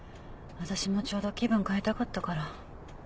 私もちょうど気分変えたかったから。